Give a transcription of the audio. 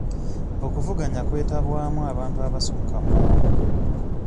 Okuvuganya kwetabwamu abantu abasukka mu omu.